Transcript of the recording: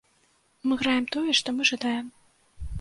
Мы граем тое, што мы жадаем.